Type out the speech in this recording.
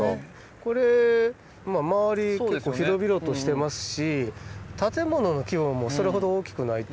これ周り結構広々としてますし建物の規模もそれほど大きくないと。